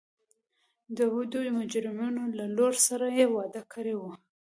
د دوو مجرمینو له لور سره یې واده کړی و.